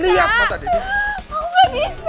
lihat mata daddy